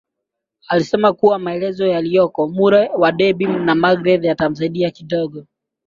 Alisema kuwa maelezo yaliyoko mule ya Debby na Magreth yatamsaidia kidogo